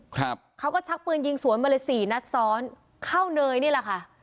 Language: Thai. ครับเขาก็ชักปืนยิงสวนมาเลยสี่นัดซ้อนเข้าเนยนี่แหละค่ะ